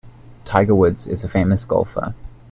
Tiger Woods is a famous golfer.